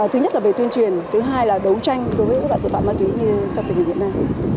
thứ nhất là về tuyên truyền thứ hai là đấu tranh với các loại tự tạo ma túy như trong thời kỳ việt nam